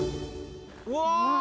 うわ！